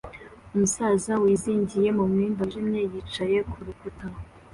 Umusaza wizingiye mu mwenda wijimye yicaye kurukuta